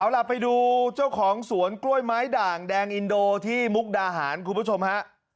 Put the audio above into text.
เอาล่ะไปดูเจ้าของสวนกล้วยไม้ด่างแดงอินโดที่มุกดาหารคุณผู้ชมฮะ